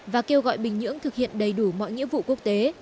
và kêu gọi bình nhưỡng thực hiện đầy đủ mọi nghĩa vụ quốc tế